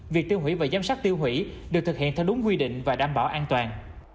việc tiêu hủy và giám sát tiêu hủy được thực hiện theo đúng quy định và đảm bảo an toàn